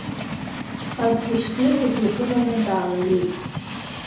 Чхартишьвили дҩагылан, даалаҩеит.